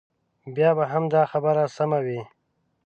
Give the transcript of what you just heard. بیا به هم دا خبره سمه وي.